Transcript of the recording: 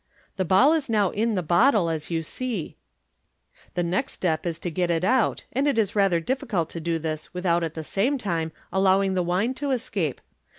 " The ball is now in the bottle, as you see j the next step is to get it out, and it is rather difficult to do this without at the Same time allowing the wine to escape.